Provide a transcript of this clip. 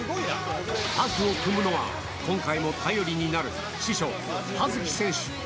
タッグを組むのは、今回も頼りになる師匠、葉月選手。